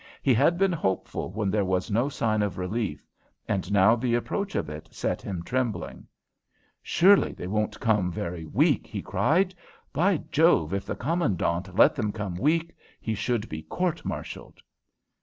He had been hopeful when there was no sign of relief, and now the approach of it set him trembling. "Surely they wouldn't come very weak," he cried. "Be Jove, if the Commandant let them come weak, he should be court martialled."